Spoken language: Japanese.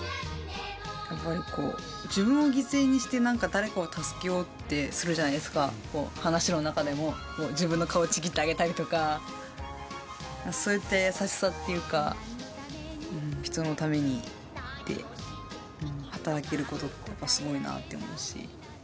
やっぱりこう、自分を犠牲にして、なんか誰かを助けようってするじゃないですか、話の中でも、もう自分の顔をちぎってあげたりとか、そういった優しさっていうか、人のためにって働けることって、すごいなって思うし。